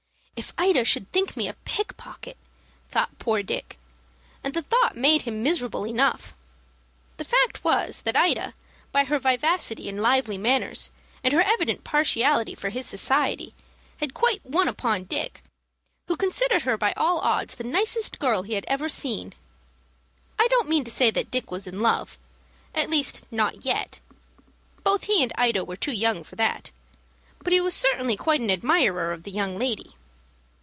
"If Ida should think me a pick pocket!" thought poor Dick, and the thought made him miserable enough. The fact was, that Ida, by her vivacity and lively manners, and her evident partiality for his society, had quite won upon Dick, who considered her by all odds the nicest girl he had ever seen. I don't mean to say that Dick was in love, at least not yet. Both he and Ida were too young for that; but he was certainly quite an admirer of the young lady.